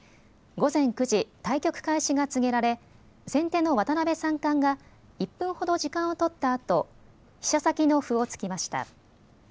午前９時、対局開始が告げられ先手の渡辺三冠が１分ほど時間を取ったあと飛車先の歩を突きました。